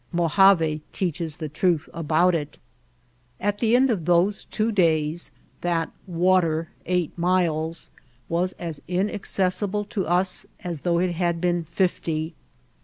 Mo jave teaches the truth about it. At the end of those two days, that "Water Eight Miles" was as inaccessible to us as though it had been fifty.